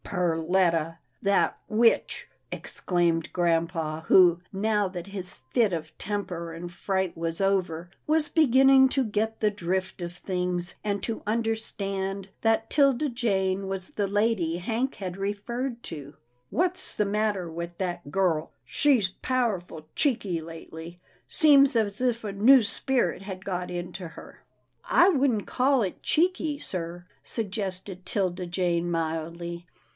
" Perletta — that witch," exclaimed grampa, who, now that his fit of temper and fright was PERLETTA PUZZLES HER FRIENDS 285 over, was beginning to get the drift of things, and to understand that 'Tilda Jane was the lady Hank had referred to, " What's the matter with that girl? She's powerful cheeky lately. Seems as if a new spirit had got into her." " I wouldn't call it cheeky, sir," suggested 'Tilda Jane, mildly.